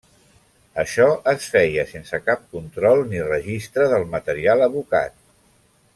Això es feia sense cap control ni registre del material abocat.